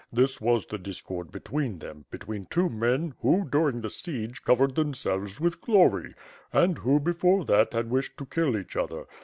This was the discord between them, between two men who, during the siege covered themselves with glory; and who, before that, had wished to kill each other.